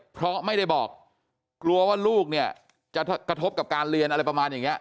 เพราะไม่ได้บอกกลัวว่าลูกเนี่ยจะกระทบกับการเรียนอะไรประมาณอย่างนี้